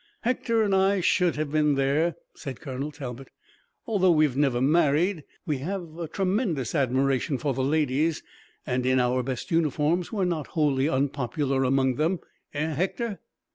"Hector and I should have been there," said Colonel Talbot. "Although we've never married, we have a tremendous admiration for the ladies, and in our best uniforms we're not wholly unpopular among them, eh, Hector?"